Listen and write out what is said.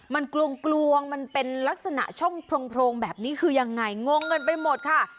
มันกลวงมันเป็นลักษณะช่องโพรงแบบนี้คือยังไงงงกันไปหมดค่ะ